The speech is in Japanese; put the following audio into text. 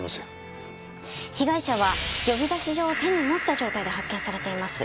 被害者は呼び出し状を手に持った状態で発見されています。